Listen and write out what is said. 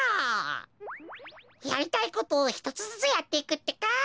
やりたいことをひとつずつやっていくってか！